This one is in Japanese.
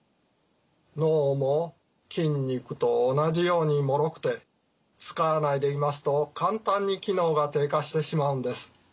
脳も筋肉と同じようにもろくて使わないでいますと簡単に機能が低下してしまうんです。